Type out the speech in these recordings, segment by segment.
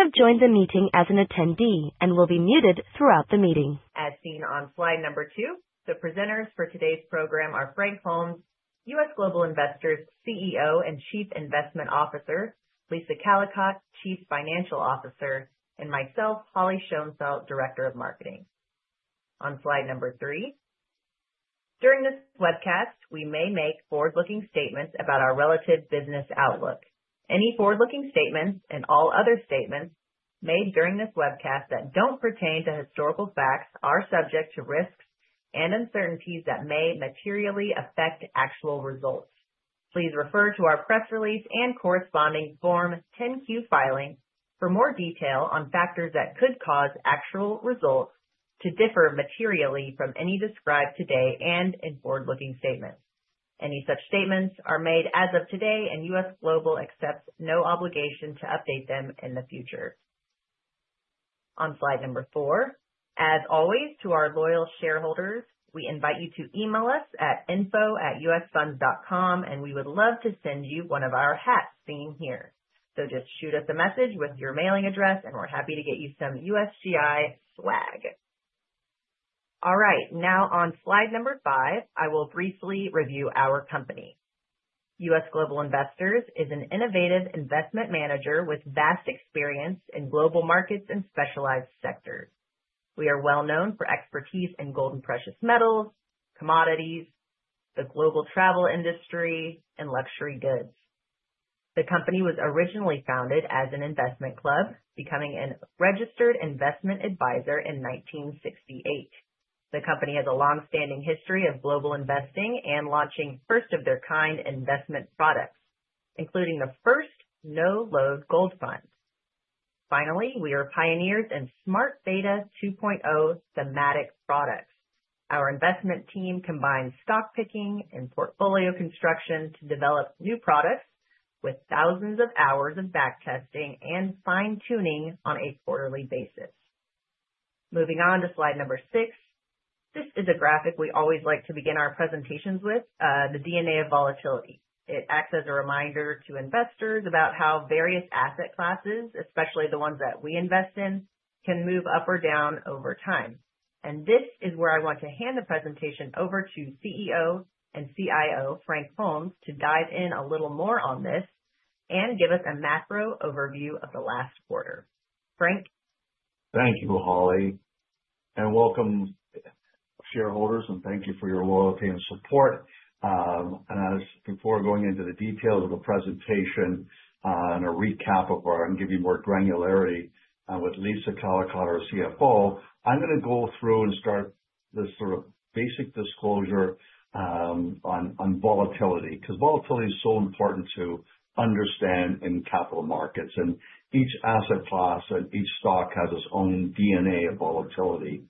You have joined the meeting as an attendee and will be muted throughout the meeting. As seen on slide number two, the presenters for today's program are Frank Holmes, U.S. Global Investors CEO and Chief Investment Officer, Lisa Callicotte, Chief Financial Officer, and myself, Holly Schoenfeldt, Director of Marketing. On slide number three, during this webcast, we may make forward-looking statements about our relative business outlook. Any forward-looking statements and all other statements made during this webcast that do not pertain to historical facts are subject to risks and uncertainties that may materially affect actual results. Please refer to our press release and corresponding Form 10Q filing for more detail on factors that could cause actual results to differ materially from any described today and in forward-looking statements. Any such statements are made as of today, and U.S. Global accepts no obligation to update them in the future. On slide number four, as always, to our loyal shareholders, we invite you to email us at info@usfunds.com, and we would love to send you one of our hats seen here. Just shoot us a message with your mailing address, and we're happy to get you some USGI swag. All right, now on slide number five, I will briefly review our company. U.S. Global Investors is an innovative investment manager with vast experience in global markets and specialized sectors. We are well known for expertise in gold and precious metals, commodities, the global travel industry, and luxury goods. The company was originally founded as an investment club, becoming a registered investment advisor in 1968. The company has a long-standing history of global investing and launching first-of-the-kind investment products, including the first no-load gold fund. Finally, we are pioneers in Smart Beta 2.0 thematic products. Our investment team combines stock picking and portfolio construction to develop new products with thousands of hours of backtesting and fine-tuning on a quarterly basis. Moving on to slide number six, this is a graphic we always like to begin our presentations with, the DNA of volatility. It acts as a reminder to investors about how various asset classes, especially the ones that we invest in, can move up or down over time. This is where I want to hand the presentation over to CEO and CIO Frank Holmes to dive in a little more on this and give us a macro overview of the last quarter. Frank. Thank you, Holly, and welcome, shareholders, and thank you for your loyalty and support. Before going into the details of the presentation and a recap of our and give you more granularity with Lisa Callicotte, our CFO, I'm going to go through and start this sort of basic disclosure on volatility because volatility is so important to understand in capital markets. Each asset class and each stock has its own DNA of volatility.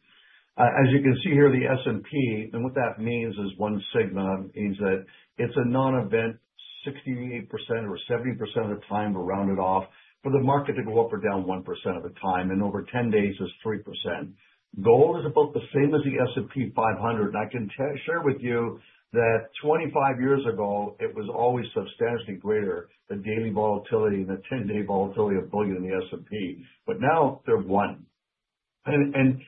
As you can see here, the S&P, and what that means is one sigma means that it's a non-event 68% or 70% of the time, round it off, for the market to go up or down 1% of the time, and over 10 days is 3%. Gold is about the same as the S&P 500, and I can share with you that 25 years ago, it was always substantially greater, the daily volatility and the 10-day volatility of building the S&P, but now they're one. And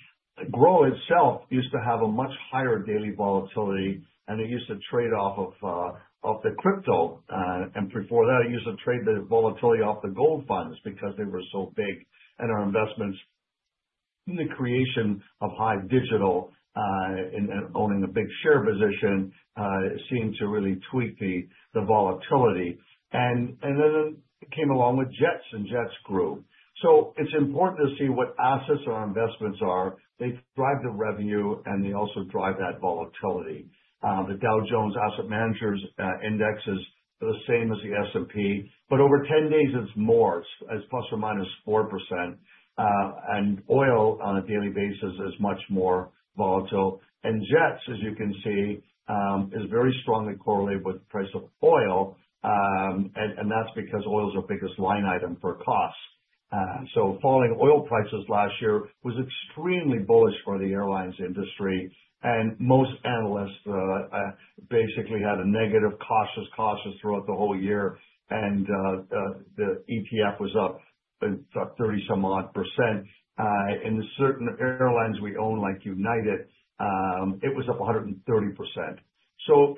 GROW itself used to have a much higher daily volatility, and it used to trade off of the crypto. Before that, it used to trade the volatility off the gold funds because they were so big. Our investments in the creation of Hive Digital and owning a big share position seemed to really tweak the volatility. It came along with JETS, and JETS grew. It is important to see what assets and our investments are. They drive the revenue, and they also drive that volatility. The Dow Jones Asset Managers Index is the same as the S&P, but over 10 days, it's more, it's plus or minus 4%. Oil on a daily basis is much more volatile. JETS, as you can see, is very strongly correlated with the price of oil, and that's because oil is our biggest line item for cost. Falling oil prices last year was extremely bullish for the airlines industry, and most analysts basically had a negative cautious throughout the whole year. The ETF was up 30 some odd percent. The certain airlines we own, like United, it was up 130%.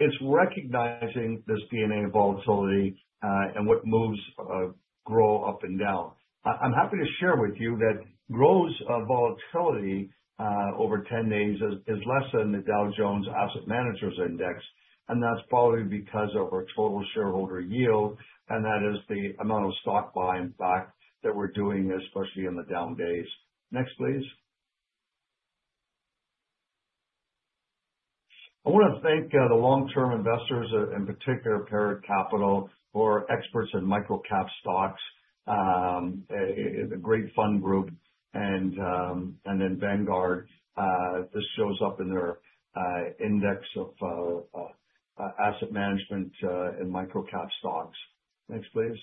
It's recognizing this DNA of volatility and what moves GROW up and down. I'm happy to share with you that GROW's volatility over 10 days is less than the Dow Jones Asset Managers Index, and that's probably because of our total shareholder yield, and that is the amount of stock buying back that we're doing, especially on the down days. Next, please. I want to thank the long-term investors, in particular, Perritt Capital for experts in microcap stocks, the Great Fund Group, and then Vanguard. This shows up in their index of asset management in microcap stocks. Next, please.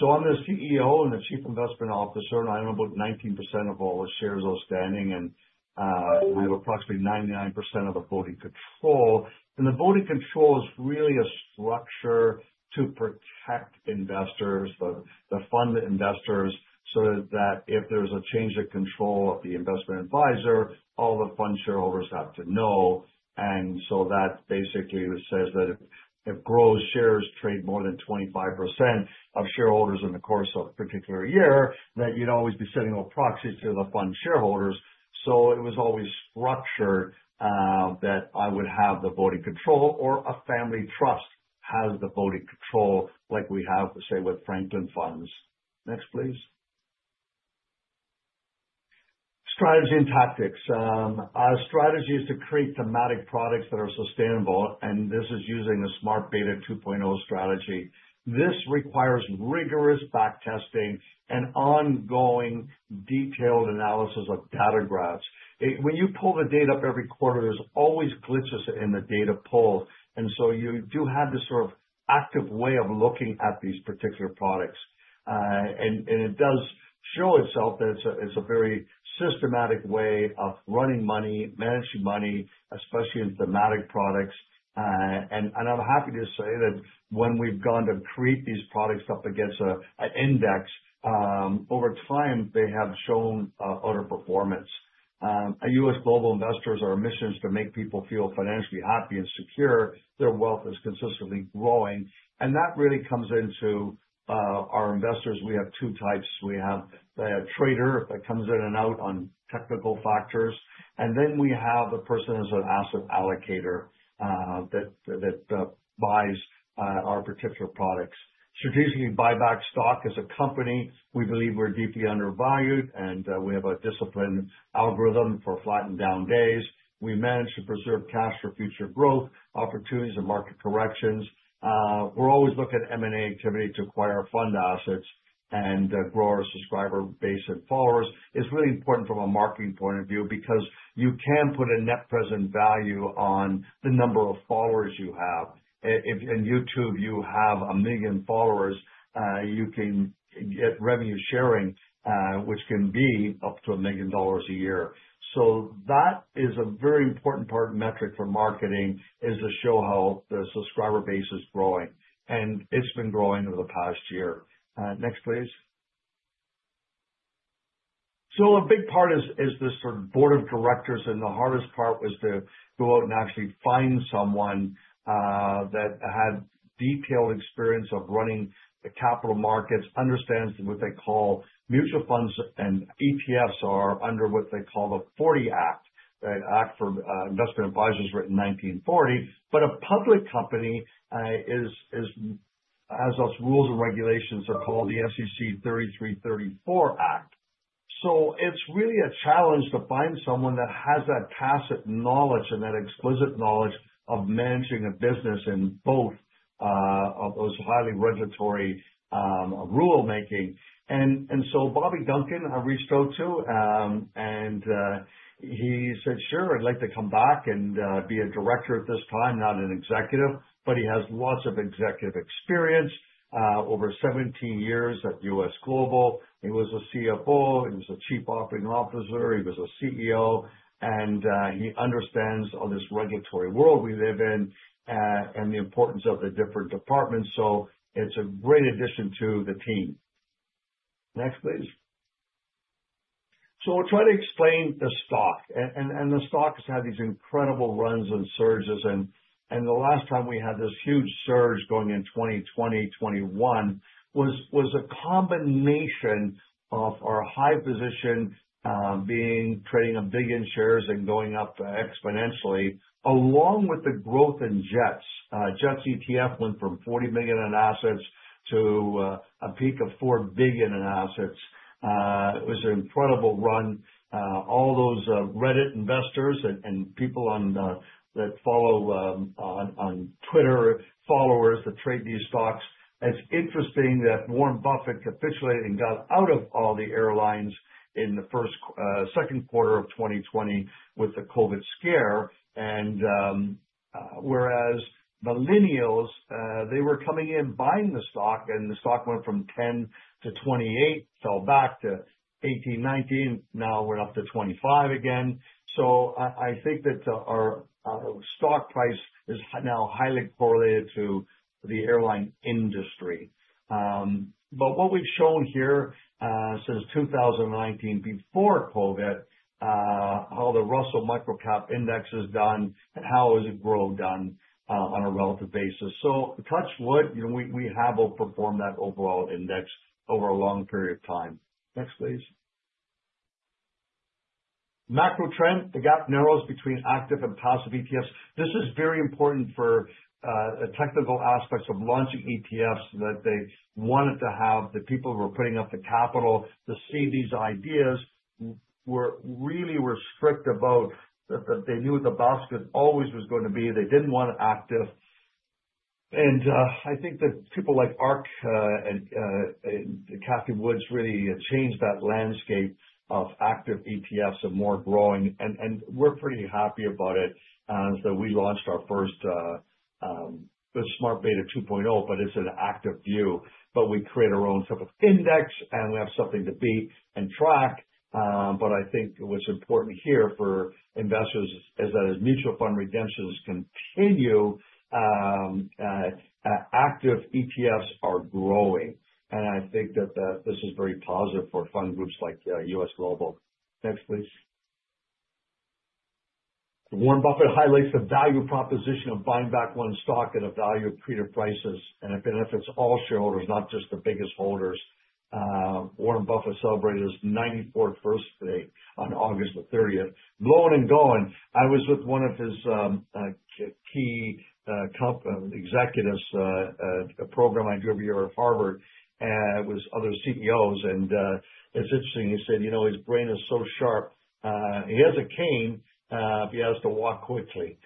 I am the CEO and the Chief Investment Officer, and I own about 19% of all the shares outstanding, and I have approximately 99% of the voting control. The voting control is really a structure to protect investors, the fund investors, so that if there's a change of control of the investment advisor, all the fund shareholders have to know. That basically says that if GROW's shares trade more than 25% of shareholders in the course of a particular year, that you'd always be sending all proxies to the fund shareholders. It was always structured that I would have the voting control or a family trust has the voting control like we have, say, with Franklin Funds. Next, please. Strategy and tactics. Our strategy is to create thematic products that are sustainable, and this is using a Smart Beta 2.0 strategy. This requires rigorous backtesting and ongoing detailed analysis of data graphs. When you pull the data up every quarter, there's always glitches in the data pull. You do have this sort of active way of looking at these particular products. It does show itself that it's a very systematic way of running money, managing money, especially in thematic products. I'm happy to say that when we've gone to create these products up against an index, over time, they have shown outer performance. At U.S. Global Investors, our mission is to make people feel financially happy and secure. Their wealth is consistently growing. That really comes into our investors. We have two types. We have the trader that comes in and out on technical factors. Then we have the person who's an asset allocator that buys our particular products. Strategically, buyback stock is a company. We believe we're deeply undervalued, and we have a disciplined algorithm for flattened down days. We manage to preserve cash for future growth opportunities and market corrections. We're always looking at M&A activity to acquire fund assets and grow our subscriber base and followers. It's really important from a marketing point of view because you can put a net present value on the number of followers you have. If on YouTube you have a million followers, you can get revenue sharing, which can be up to $1 million a year. That is a very important part metric for marketing is to show how the subscriber base is growing. It's been growing over the past year. Next, please. A big part is this sort of board of directors, and the hardest part was to go out and actually find someone that had detailed experience of running the capital markets, understands what they call mutual funds and ETFs are under what they call the 40 Act, the Act for Investment Advisors written in 1940. A public company has those rules and regulations are called the SEC 1934 Act. It is really a challenge to find someone that has that tacit knowledge and that explicit knowledge of managing a business in both of those highly regulatory rulemaking. Bobby Duncan, I reached out to, and he said, "Sure, I'd like to come back and be a director at this time, not an executive," but he has lots of executive experience, over 17 years at U.S. Global Investors. He was a CFO. He was a Chief Operating Officer. He was a CEO, and he understands all this regulatory world we live in and the importance of the different departments. It is a great addition to the team. Next, please. I will try to explain the stock. The stock has had these incredible runs and surges. The last time we had this huge surge going in 2020, 2021 was a combination of our high position being trading a billion shares and going up exponentially along with the growth in JETS. JETS ETF went from $40 million in assets to a peak of $4 billion in assets. It was an incredible run. All those Reddit investors and people that follow on Twitter followers that trade these stocks, it's interesting that Warren Buffett capitulated and got out of all the airlines in the second quarter of 2020 with the COVID scare. Whereas millennials, they were coming in buying the stock, and the stock went from $10-$28, fell back to $18, $19, now we're up to $25 again. I think that our stock price is now highly correlated to the airline industry. What we've shown here since 2019 before COVID, how the Russell Microcap Index has done and how has GROW done on a relative basis. Touch wood, we have outperformed that overall index over a long period of time. Next, please. Macro trend, the gap narrows between active and passive ETFs. This is very important for the technical aspects of launching ETFs that they wanted to have. The people who were putting up the capital to seed these ideas were really restricted about that they knew what the basket always was going to be. They did not want active. I think that people like ARK and Cathie Wood really changed that landscape of active ETFs and more growing. We are pretty happy about it. We launched our first Smart Beta 2.0, but it is an active view. We create our own type of index, and we have something to beat and track. I think what's important here for investors is that as mutual fund redemptions continue, active ETFs are growing. I think that this is very positive for fund groups like U.S. Global. Next, please. Warren Buffett highlights the value proposition of buying back one's stock at a value of pre-to prices, and it benefits all shareholders, not just the biggest holders. Warren Buffett celebrated his 94th birthday on August the 30th. Blowing and going, I was with one of his key executives, a program I do every year at Harvard with other CEOs. It's interesting, he said, "You know, his brain is so sharp. He has a cane if he has to walk quickly."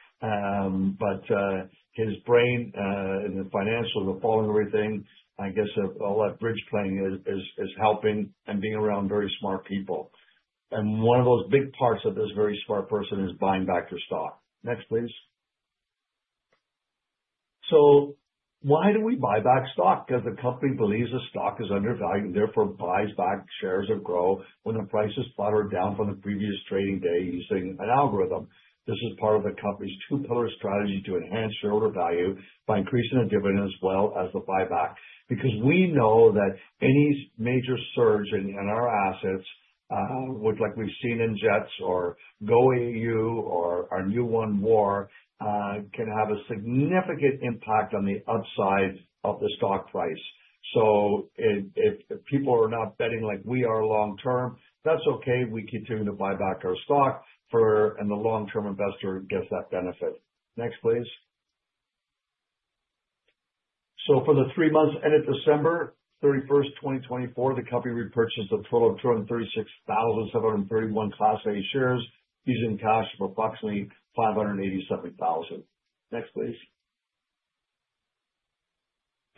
His brain and the financials are following everything. I guess all that bridge playing is helping and being around very smart people. One of those big parts of this very smart person is buying back your stock. Next, please. Why do we buy back stock? Because the company believes the stock is undervalued and therefore buys back shares that grow when the prices plotter down from the previous trading day using an algorithm. This is part of the company's two-pillar strategy to enhance shareholder value by increasing the dividend as well as the buyback. We know that any major surge in our assets, like we've seen in JETS or GOAU or our new one WAR, can have a significant impact on the upside of the stock price. If people are not betting like we are long-term, that's okay. We continue to buy back our stock for, and the long-term investor gets that benefit. Next, please. For the three months ended December 31, 2024, the company repurchased a total of 236,731 Class A shares using cash of approximately $587,000. Next, please.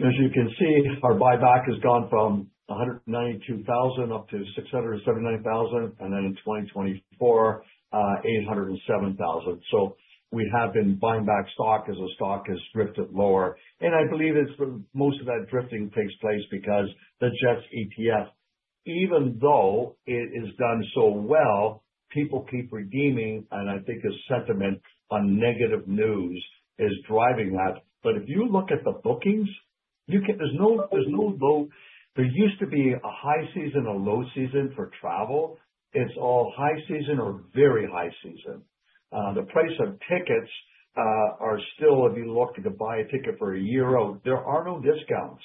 As you can see, our buyback has gone from $192,000 up to $679,000, and then in 2024, $807,000. We have been buying back stock as the stock has drifted lower. I believe most of that drifting takes place because the JETS ETF, even though it has done so well, people keep redeeming, and I think the sentiment on negative news is driving that. If you look at the bookings, there is no low. There used to be a high season, a low season for travel. It is all high season or very high season. The price of tickets are still, if you look to buy a ticket for a year out, there are no discounts.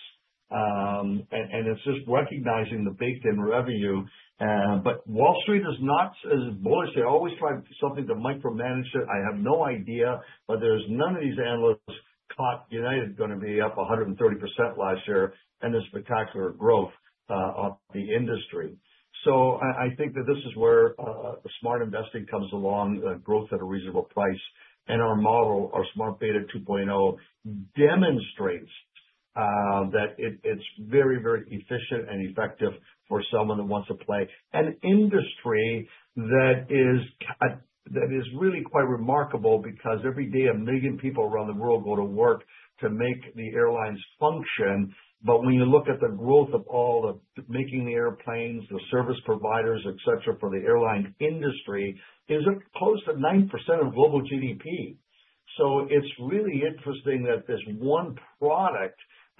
It is just recognizing the baked-in revenue. Wall Street is not as bullish. They always try something to micromanage it. I have no idea, but none of these analysts caught United going to be up 130% last year and the spectacular growth of the industry. I think that this is where the smart investing comes along, growth at a reasonable price. Our model, our Smart Beta 2.0, demonstrates that it is very, very efficient and effective for someone that wants to play an industry that is really quite remarkable because every day a million people around the world go to work to make the airlines function. When you look at the growth of all the making the airplanes, the service providers, et cetera for the airline industry, it is close to 9% of global GDP.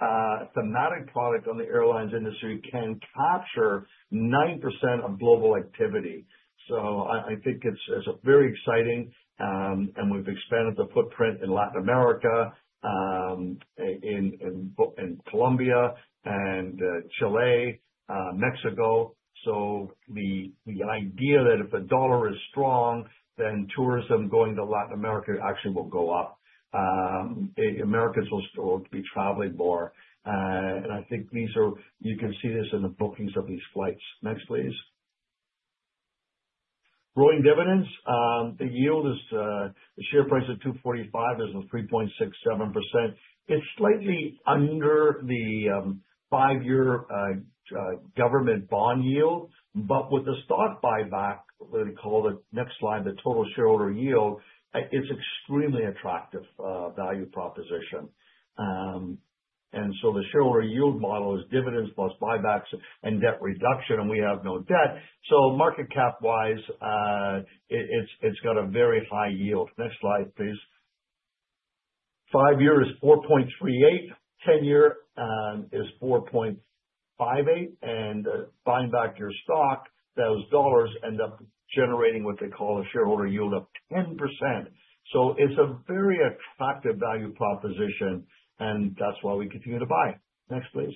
It's really interesting that this one product, thematic product on the airlines industry, can capture 9% of global activity. I think it's very exciting. We've expanded the footprint in Latin America, in Colombia, Chile, and Mexico. The idea is that if the dollar is strong, then tourism going to Latin America actually will go up. Americans will be traveling more. I think you can see this in the bookings of these flights. Next, please. Growing dividends. The yield is the share price of $245 is 3.67%. It's slightly under the five-year government bond yield. With the stock buyback, what they call the next slide, the total shareholder yield, it's an extremely attractive value proposition. The shareholder yield model is dividends plus buybacks and debt reduction, and we have no debt. Market cap-wise, it's got a very high yield. Next slide, please. Five-year is 4.38. Ten-year is 4.58. Buying back your stock, those dollars end up generating what they call a shareholder yield of 10%. It is a very attractive value proposition, and that's why we continue to buy. Next, please.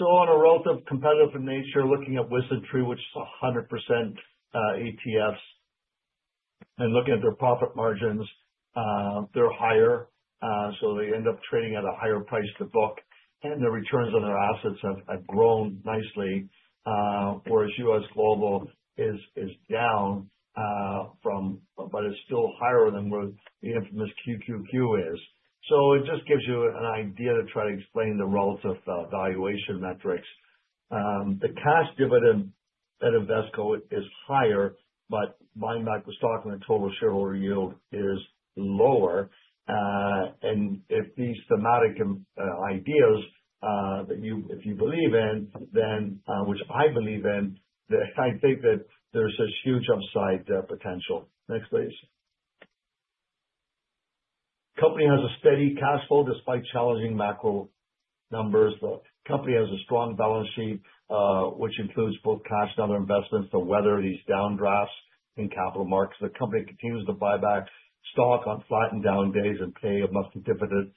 On a relative competitive nature, looking at WisdomTree, which is 100% ETFs and looking at their profit margins, they're higher. They end up trading at a higher price to book. The returns on their assets have grown nicely, whereas U.S. Global is down from, but it's still higher than where the infamous QQQ is. It just gives you an idea to try to explain the relative valuation metrics. The cash dividend at Invesco is higher, but buying back the stock and the total shareholder yield is lower. If these thematic ideas that you believe in, which I believe in, I think that there's this huge upside potential. Next, please. The company has a steady cash flow despite challenging macro numbers. The company has a strong balance sheet, which includes both cash and other investments to weather these downdrafts in capital markets. The company continues to buy back stock on flattened down days and pay a monthly dividend.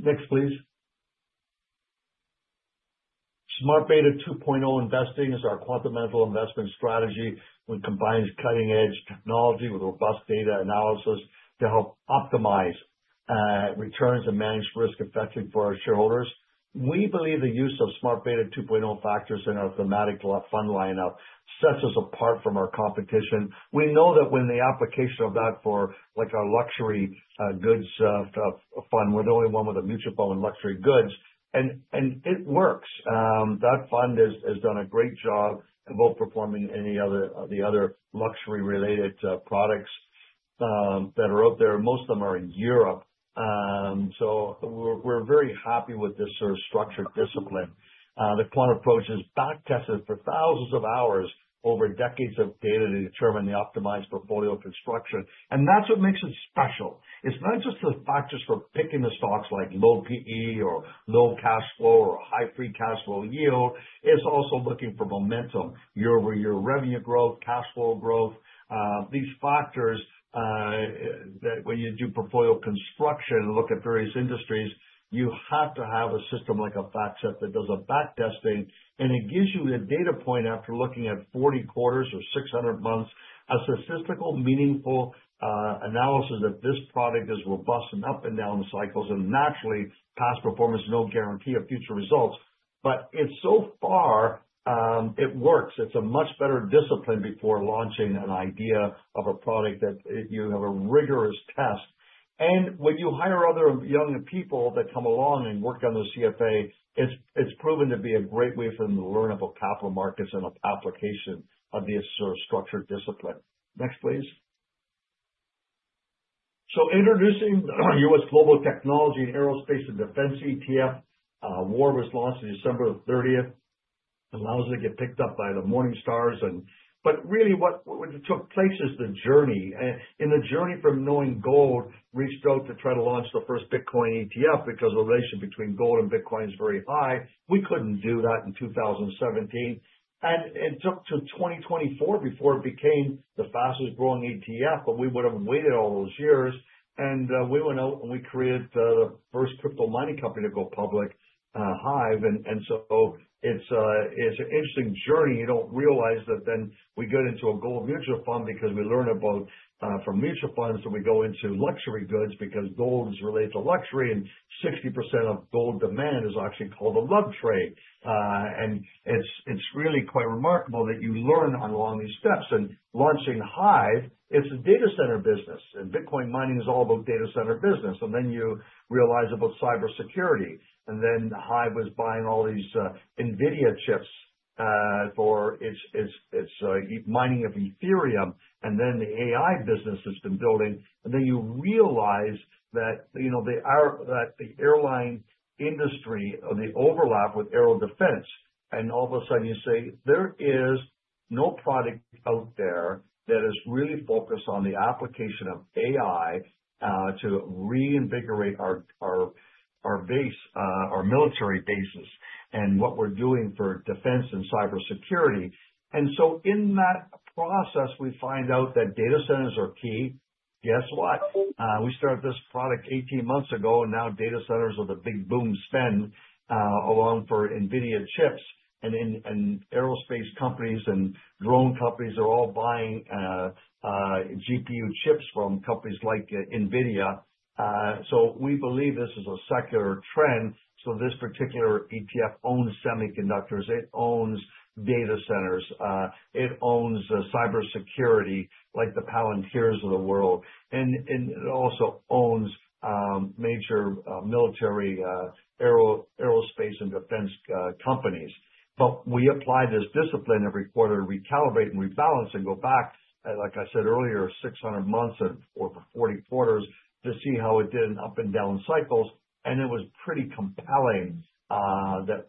Next, please. Smart Beta 2.0 investing is our fundamental investment strategy. We combine cutting-edge technology with robust data analysis to help optimize returns and manage risk effectively for our shareholders. We believe the use of Smart Beta 2.0 factors in our thematic fund lineup sets us apart from our competition. We know that when the application of that for like our luxury goods fund, we're the only one with a mutual fund on luxury goods, and it works. That fund has done a great job of outperforming any of the other luxury-related products that are out there. Most of them are in Europe. We are very happy with this sort of structured discipline. The quant approach is back-tested for thousands of hours over decades of data to determine the optimized portfolio construction. That is what makes it special. It is not just the factors for picking the stocks like low PE or low cash flow or high free cash flow yield. It is also looking for momentum, year-over-year revenue growth, cash flow growth. These factors that when you do portfolio construction and look at various industries, you have to have a system like a FactSet that does a back-testing. It gives you a data point after looking at 40 quarters or 600 months as a statistical meaningful analysis that this product is robust and up and down the cycles. Naturally, past performance is no guarantee of future results. So far, it works. It's a much better discipline before launching an idea of a product that you have a rigorous test. When you hire other young people that come along and work on the CFA, it's proven to be a great way for them to learn about capital markets and application of this sort of structured discipline. Next, please. Introducing U.S. Global Technology and Aerospace and Defense ETF, WAR was launched on December 30, 2024. It allows it to get picked up by the Morningstars. What took place is the journey. In the journey from knowing gold, we stroke to try to launch the first Bitcoin ETF because the relationship between gold and Bitcoin is very high. We couldn't do that in 2017. It took to 2024 before it became the fastest growing ETF, but we would have waited all those years. We went out and we created the first crypto mining company to go public, Hive. It is an interesting journey. You do not realize that then we get into a gold mutual fund because we learn about from mutual funds that we go into luxury goods because gold is related to luxury. Sixty percent of gold demand is actually called a love trade. It is really quite remarkable that you learn along these steps. Launching Hive, it is a data center business. Bitcoin mining is all about data center business. You realize about cybersecurity. Hive was buying all these Nvidia chips for its mining of Ethereum. The AI business has been building. You realize that the airline industry or the overlap with aero defense. All of a sudden, you say, "There is no product out there that is really focused on the application of AI to reinvigorate our base, our military bases, and what we're doing for defense and cybersecurity." In that process, we find out that data centers are key. Guess what? We started this product 18 months ago, and now data centers are the big boom spend along for Nvidia chips. Aerospace companies and drone companies are all buying GPU chips from companies like Nvidia. We believe this is a secular trend. This particular ETF owns semiconductors. It owns data centers. It owns cybersecurity like the Palantirs of the world. It also owns major military aerospace and defense companies. We apply this discipline every quarter to recalibrate and rebalance and go back, like I said earlier, 600 months or 40 quarters to see how it did in up and down cycles. It was pretty compelling that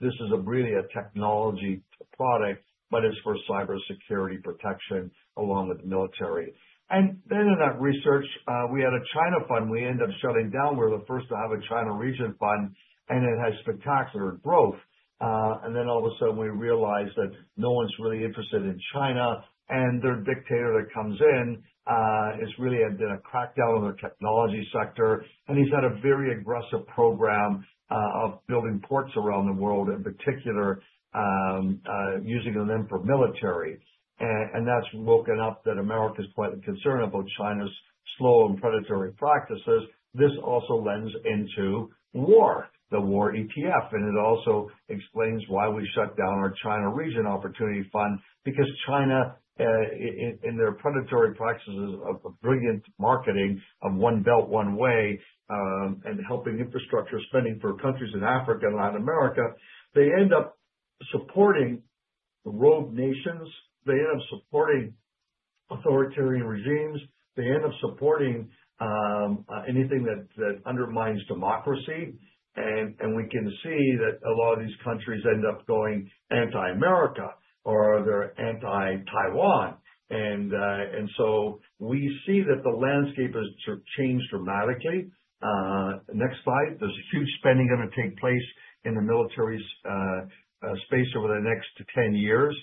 this is really a technology product, but it's for cybersecurity protection along with the military. In that research, we had a China fund. We ended up shutting down. We were the first to have a China region fund, and it had spectacular growth. All of a sudden, we realized that no one's really interested in China. Their dictator that comes in has really had a crackdown on the technology sector. He's had a very aggressive program of building ports around the world, in particular using them for military. That has woken up that America is quite concerned about China's slow and predatory practices. This also lends into WAR, the WAR ETF. It also explains why we shut down our China region fund. Because China, in their predatory practices of brilliant marketing of one belt, one way, and helping infrastructure spending for countries in Africa and Latin America, they end up supporting rogue nations. They end up supporting authoritarian regimes. They end up supporting anything that undermines democracy. We can see that a lot of these countries end up going anti-America or they're anti-Taiwan. We see that the landscape has changed dramatically. Next slide. There is a huge spending going to take place in the military space over the next 10 years.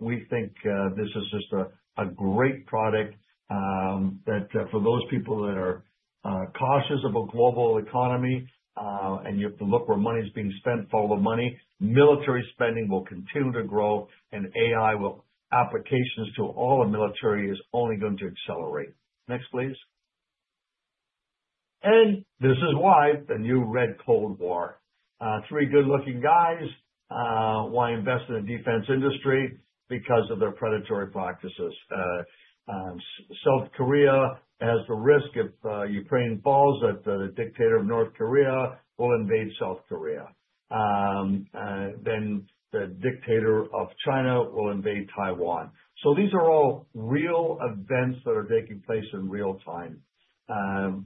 We think this is just a great product that for those people that are cautious about global economy and you have to look where money is being spent, follow the money. Military spending will continue to grow, and AI will applications to all the military is only going to accelerate. Next, please. This is why the new red cold war. Three good-looking guys, why invest in the defense industry? Because of their predatory practices. South Korea has the risk if Ukraine falls that the dictator of North Korea will invade South Korea. The dictator of China will invade Taiwan. These are all real events that are taking place in real time.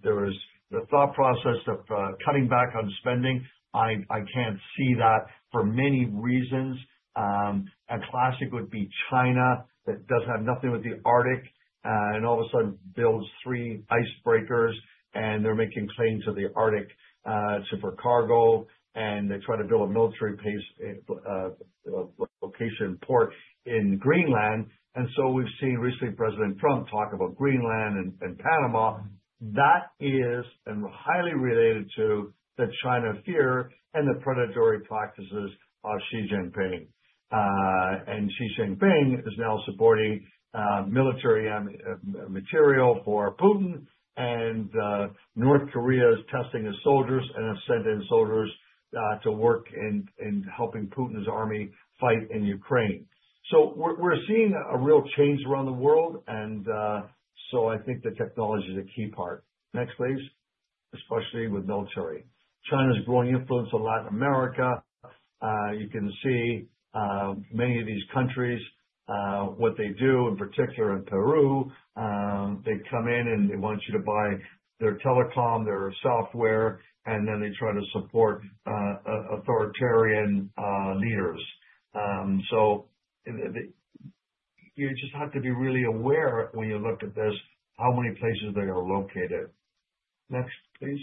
There is the thought process of cutting back on spending. I can't see that for many reasons. A classic would be China that doesn't have nothing with the Arctic and all of a sudden builds three icebreakers, and they're making claims to the Arctic supercargo. They try to build a military base location port in Greenland. We have seen recently President Trump talk about Greenland and Panama. That is highly related to the China fear and the predatory practices of Xi Jinping. Xi Jinping is now supporting military material for Putin. North Korea is testing his soldiers and has sent in soldiers to work in helping Putin's army fight in Ukraine. We are seeing a real change around the world. I think the technology is a key part. Next, please. Especially with military. China's growing influence in Latin America. You can see many of these countries, what they do, in particular in Peru. They come in and they want you to buy their telecom, their software, and then they try to support authoritarian leaders. You just have to be really aware when you look at this, how many places they are located. Next, please.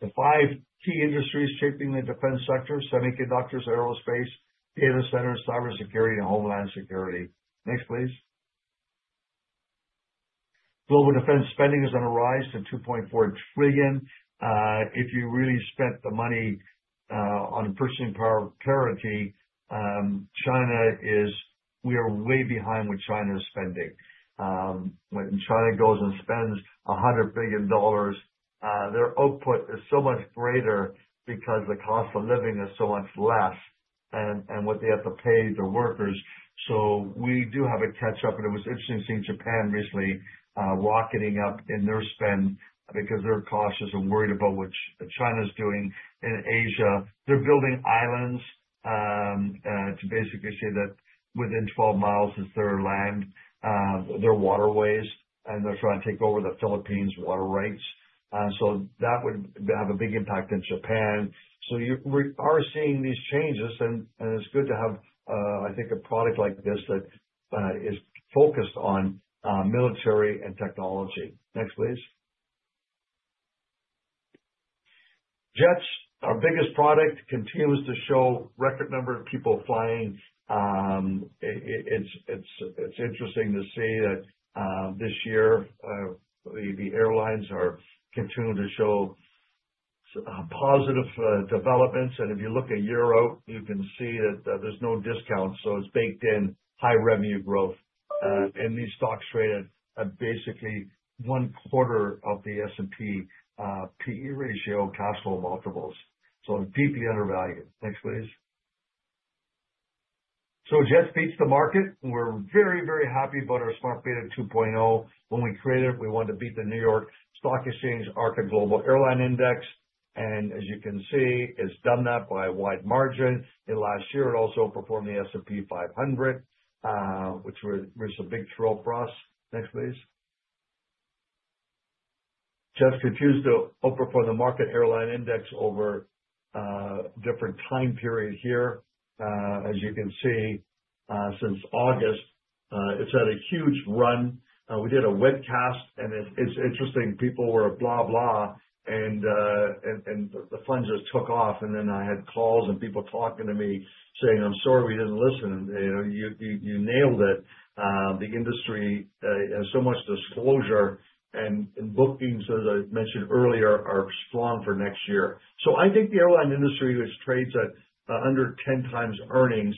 The five key industries shaping the defense sector, semiconductors, aerospace, data centers, cybersecurity, and homeland security. Next, please. Global defense spending is on the rise to $2.4 trillion. If you really spent the money on purchasing power parity, we are way behind what China is spending. When China goes and spends $100 billion, their output is so much greater because the cost of living is so much less and what they have to pay their workers. We do have a catch-up. It was interesting seeing Japan recently rocketing up in their spend because they're cautious and worried about what China is doing in Asia. They're building islands to basically say that within 12 mi is their land, their waterways, and they're trying to take over the Philippines' water rights. That would have a big impact in Japan. We are seeing these changes. It is good to have, I think, a product like this that is focused on military and technology. Next, please. JETS, our biggest product, continues to show record number of people flying. It is interesting to see that this year, the airlines are continuing to show positive developments. If you look at Europe, you can see that there are no discounts. It is baked in high revenue growth. These stocks are rated at basically one quarter of the S&P PE ratio cash flow multiples, so deeply undervalued. Next, please. Jets beats the market. We are very, very happy about our Smart Beta 2.0. When we created it, we wanted to beat the New York Stock Exchange ARCA Global Airline Index. As you can see, it has done that by a wide margin. In last year, it also outperformed the S&P 500, which was a big thrill for us. Next, please. Jets continues to outperform the market airline index over a different time period here. As you can see, since August, it's had a huge run. We did a webcast, and it's interesting. People were blah, blah, and the funds just took off. I had calls and people talking to me saying, "I'm sorry we didn't listen. You nailed it." The industry has so much disclosure, and bookings, as I mentioned earlier, are strong for next year. I think the airline industry, which trades at under 10 times earnings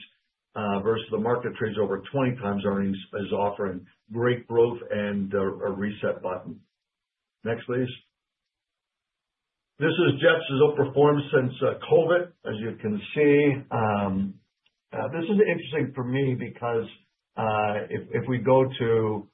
versus the market trades over 20 times earnings, is offering great growth and a reset button. Next, please. This is Jets' outperformance since COVID, as you can see. This is interesting for me because if we go to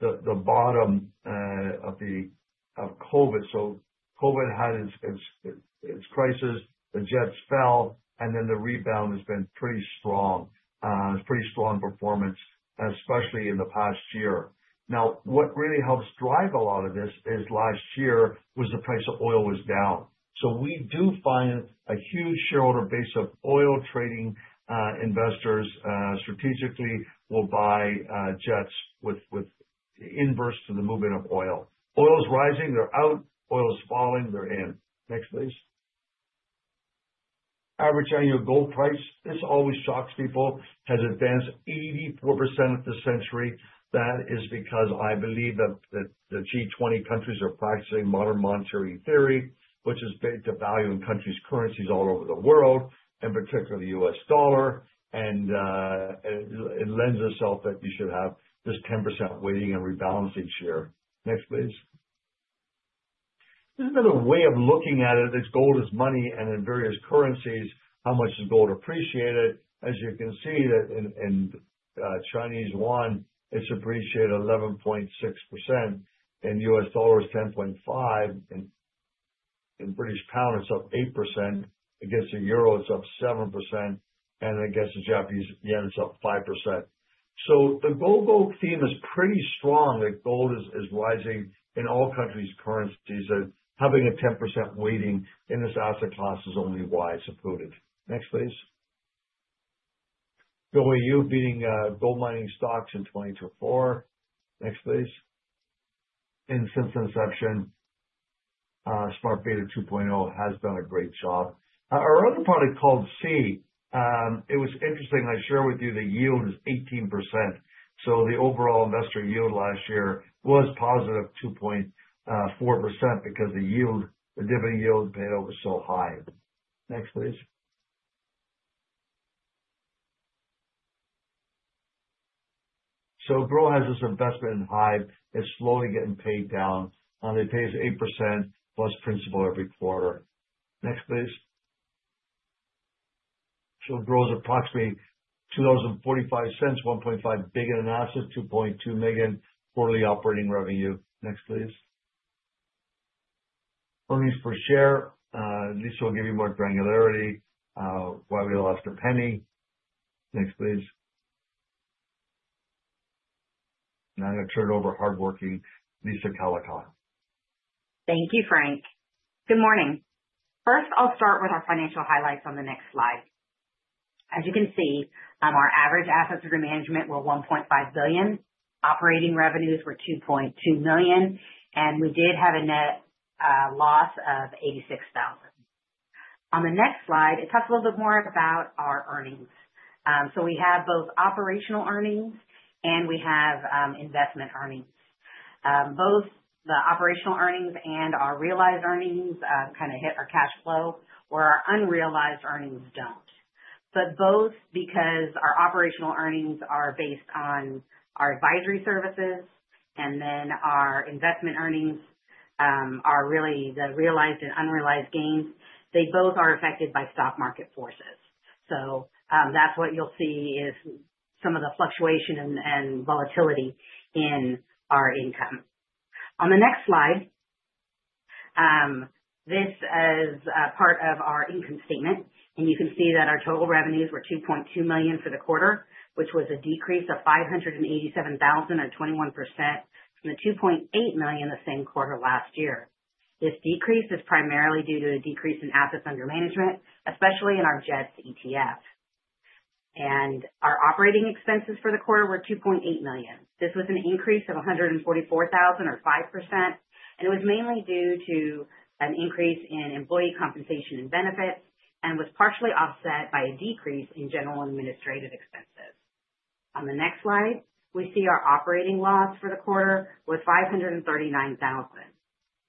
the bottom of COVID, so COVID had its crisis, the Jets fell, and then the rebound has been pretty strong. It's pretty strong performance, especially in the past year. Now, what really helps drive a lot of this is last year the price of oil was down. We do find a huge shareholder base of oil trading investors strategically will buy JETS with inverse to the movement of oil. Oil's rising, they're out. Oil's falling, they're in. Next, please. Average annual gold price. This always shocks people. Has advanced 84% of the century. That is because I believe that the G20 countries are practicing modern monetary theory, which is based on valuing countries' currencies all over the world, in particular the U.S. dollar. It lends itself that you should have this 10% weighting and rebalancing share. Next, please. This is another way of looking at it. It's gold as money and in various currencies, how much has gold appreciated. As you can see, in Chinese yuan, it's appreciated 11.6%. In U.S. dollars, 10.5%. In British pound, it's up 8%. Against the euro, it's up 7%. Against the Japanese yen, it's up 5%. The global theme is pretty strong that gold is rising in all countries' currencies. Having a 10% weighting in this asset class is only why it's approved. Next, please. GOAU beating gold mining stocks in 2024. Next, please. Since inception, Smart Beta 2.0 has done a great job. Our other product called SEA. It was interesting. I shared with you the yield is 18%. The overall investor yield last year was positive 2.4% because the yield, the dividend yield, paid out was so high. Next, please. Gro has this investment in Hive. It's slowly getting paid down. They pay us 8%+ principal every quarter. Next, please. GROW is approximately $2.45, 1.5 billion in assets, $2.2 million quarterly operating revenue. Next, please. Earnings per share. Lisa will give you more granularity, why we lost a penny. Next, please. Now I'm going to turn it over to hardworking Lisa Callicotte. Thank you, Frank. Good morning. First, I'll start with our financial highlights on the next slide. As you can see, our average assets under management were 1.5 billion. Operating revenues were $2.2 million. And we did have a net loss of $86,000. On the next slide, it talks a little bit more about our earnings. We have both operational earnings and we have investment earnings. Both the operational earnings and our realized earnings kind of hit our cash flow, where our unrealized earnings don't. Both, because our operational earnings are based on our advisory services and then our investment earnings are really the realized and unrealized gains, they both are affected by stock market forces. That is what you'll see is some of the fluctuation and volatility in our income. On the next slide, this is part of our income statement. You can see that our total revenues were $2.2 million for the quarter, which was a decrease of $587,000 or 21% from the $2.8 million the same quarter last year. This decrease is primarily due to a decrease in assets under management, especially in our JETS ETF. Our operating expenses for the quarter were $2.8 million. This was an increase of $144,000 or 5%. It was mainly due to an increase in employee compensation and benefits and was partially offset by a decrease in general administrative expenses. On the next slide, we see our operating loss for the quarter was $539,000.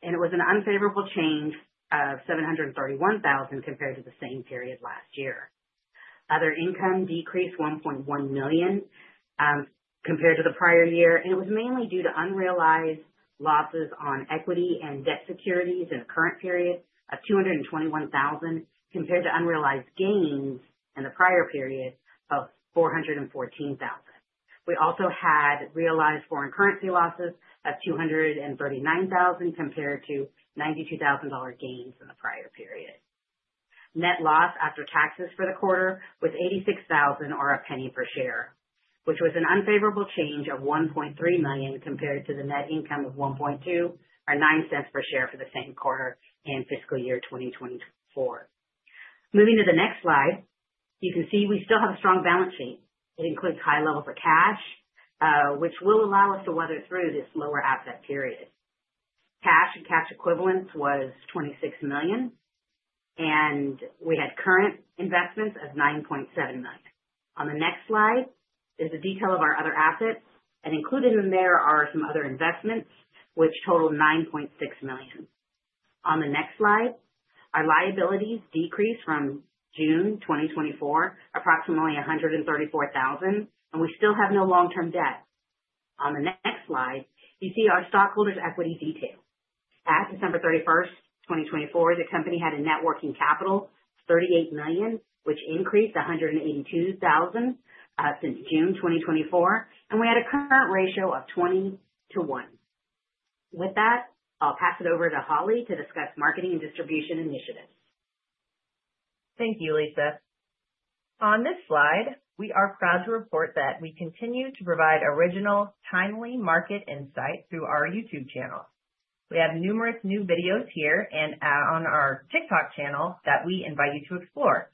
It was an unfavorable change of $731,000 compared to the same period last year. Other income decreased $1.1 million compared to the prior year. It was mainly due to unrealized losses on equity and debt securities in the current period of $221,000 compared to unrealized gains in the prior period of $414,000. We also had realized foreign currency losses of $239,000 compared to $92,000 gains in the prior period. Net loss after taxes for the quarter was $86,000 or a penny per share, which was an unfavorable change of $1.3 million compared to the net income of $1.2 million or $0.09 per share for the same quarter in fiscal year 2024. Moving to the next slide, you can see we still have a strong balance sheet. It includes high level for cash, which will allow us to weather through this lower asset period. Cash and cash equivalents was $26 million. And we had current investments of $9.7 million. On the next slide is the detail of our other assets. Included in there are some other investments, which total $9.6 million. On the next slide, our liabilities decreased from June 2024, approximately $134,000. We still have no long-term debt. On the next slide, you see our stockholders' equity detail. At December 31, 2024, the company had a networking capital of $38 million, which increased $182,000 since June 2024. We had a current ratio of 20-1. With that, I'll pass it over to Holly to discuss marketing and distribution initiatives. Thank you, Lisa. On this slide, we are proud to report that we continue to provide original, timely market insight through our YouTube channel. We have numerous new videos here and on our TikTok channel that we invite you to explore.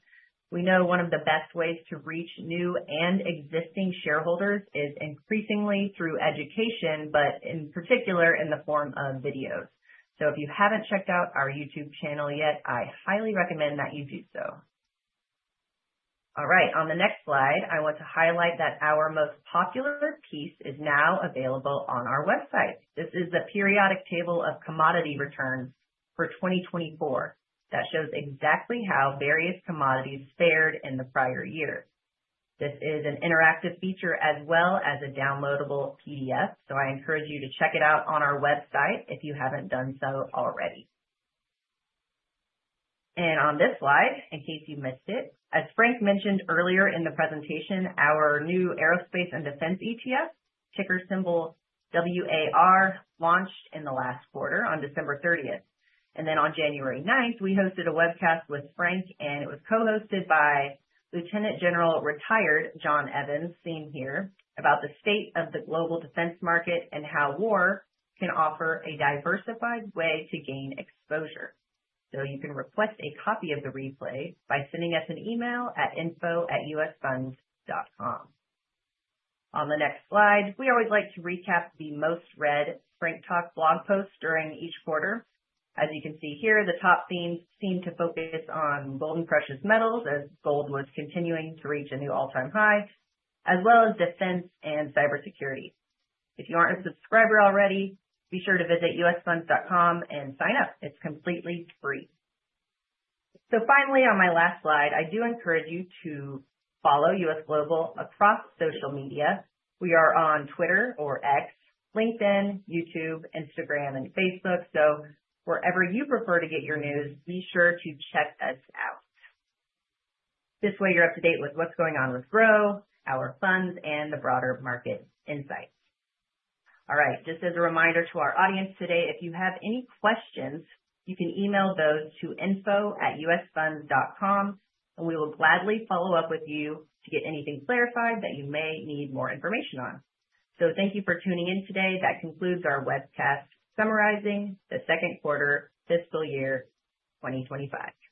We know one of the best ways to reach new and existing shareholders is increasingly through education, but in particular in the form of videos. If you have not checked out our YouTube channel yet, I highly recommend that you do so. All right, on the next slide, I want to highlight that our most popular piece is now available on our website. This is the periodic table of commodity returns for 2024 that shows exactly how various commodities fared in the prior year. This is an interactive feature as well as a downloadable PDF. I encourage you to check it out on our website if you have not done so already. On this slide, in case you missed it, as Frank mentioned earlier in the presentation, our new aerospace and defense ETF, ticker symbol WAR, launched in the last quarter on December 30, 2024. On January 9, we hosted a webcast with Frank, and it was co-hosted by Lieutenant General Retired John Evans, seen here, about the state of the global defense market and how WAR can offer a diversified way to gain exposure. You can request a copy of the replay by sending us an email at info@usfunds.com. On the next slide, we always like to recap the most read Frank Talk blog posts during each quarter. As you can see here, the top themes seem to focus on gold and precious metals as gold was continuing to reach a new all-time high, as well as defense and cybersecurity. If you aren't a subscriber already, be sure to visit usfunds.com and sign up. It's completely free. Finally, on my last slide, I do encourage you to follow U.S. Global across social media. We are on Twitter or X, LinkedIn, YouTube, Instagram, and Facebook. Wherever you prefer to get your news, be sure to check us out. This way, you're up to date with what's going on with GROW, our funds, and the broader market insights. All right, just as a reminder to our audience today, if you have any questions, you can email those to info@usfunds.com. We will gladly follow up with you to get anything clarified that you may need more information on. Thank you for tuning in today. That concludes our webcast summarizing the second quarter fiscal year 2025.